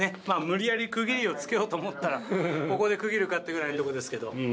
まあ無理やり区切りをつけようと思ったらここで区切るかってぐらいのとこですけど。